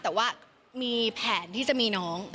แต่ว่ามีแผนที่จะมีน้อง